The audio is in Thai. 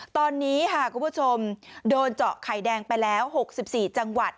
ตอนนี้ค่ะคุณผู้ชมโดนเจาะไข่แดงไปแล้ว๖๔จังหวัด